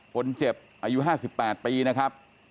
คนเจ็บอายุ๕๘ปีนะครับ